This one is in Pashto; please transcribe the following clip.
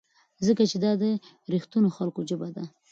ځکه چې دا د رښتینو خلکو ژبه ده.